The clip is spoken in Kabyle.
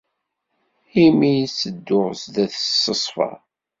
Imi i ttedduɣ sdat-s s ṣṣfa.